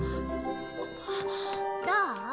どう？